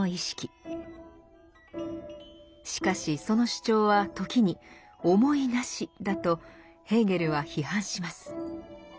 しかしその主張は時に「思いなし」だとヘーゲルは批判します。